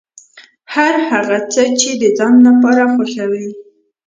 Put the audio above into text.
هر هغه څه چې د ځان لپاره خوښوې.